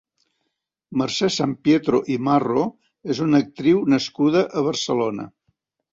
Mercè Sampietro i Marro és una actriu nascuda a Barcelona.